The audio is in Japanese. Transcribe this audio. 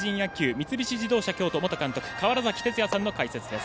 三菱自動車京都元監督の川原崎哲也さんの解説です。